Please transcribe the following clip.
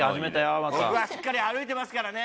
僕はしっかり歩いてますからね！